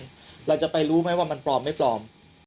เราจะไปรู้ไหมว่ามันปลอมไม่ปลอม